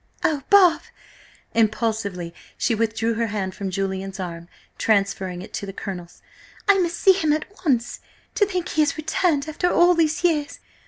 "Oh, Bob!" Impulsively she withdrew her hand from Julian's arm, transferring it to the Colonel's. "I must see him at once! To think he is returned after all these years!